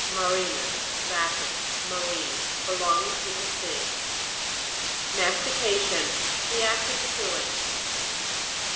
MARI'NUS. Latin. Marine ; belong ing to the sea. MASTICA'TION. The act of chewing.